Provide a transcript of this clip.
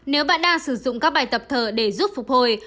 nếu bạn đang sử dụng các bài tập thở để giúp phục hồi